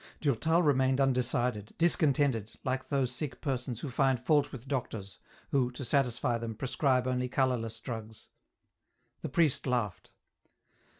Durtal remained undecided, discontented, like those sick persons who find fault with doctors, who, to satisfy them, prescribe only colourless drugs. The priest laughed.